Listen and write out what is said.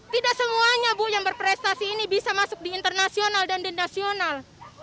tidak semuanya bu yang berprestasi ini bisa masuk di internasional dan di nasional